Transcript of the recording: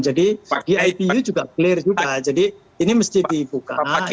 jadi di ipu juga clear juga jadi ini mesti dibuka